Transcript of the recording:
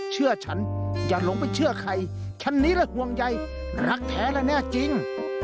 เชื่อฉันอย่าลงไปเชื่อใครฉันนี้และห่วงใยรักแท้และแน่จริง